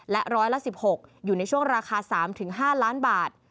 และร้อยละ๑๖อยู่ในช่วงราคา๓๕ล้านบาท